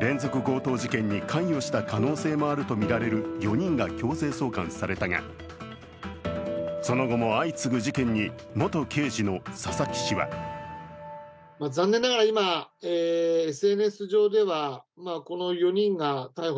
連続強盗事件に関与した可能性もあるとみられる４人が強制送還されたが、その後も相次ぐ事件に元刑事の佐々木氏は目立つのは犯行の荒っぽさ。